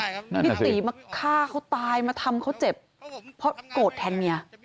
ที่ตีมาฆ่าเขาตายมาทำเขาเจ็บเพราะโกรธแทนเมีย